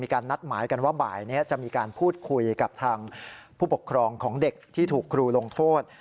นัดหมายกันว่าบ่ายนี้จะมีการพูดคุยกับทางผู้ปกครองของเด็กที่ถูกครูลงโทษ